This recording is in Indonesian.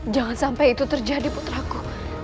jangan sampai itu terjadi putraku